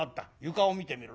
床を見てみろ。